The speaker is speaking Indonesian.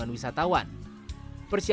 dan kebahagiaan first